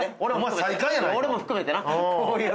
俺も含めてな。